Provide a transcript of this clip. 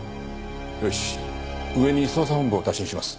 よし上に捜査本部を打診します。